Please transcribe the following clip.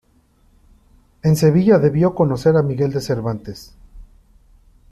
En Sevilla debió conocer a Miguel de Cervantes.